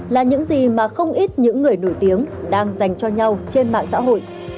là những gì mà không ít những người nổi tiếng đang dành cho nhau trên mạng xã hội